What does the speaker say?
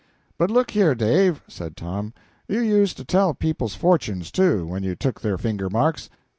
"But look here, Dave," said Tom, "you used to tell people's fortunes, too, when you took their finger marks.